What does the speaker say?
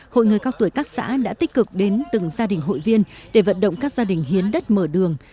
hội người cao tuổi các xã đã tích cực đến từng gia đình hội viên để vận động các gia đình hiến đất mở đường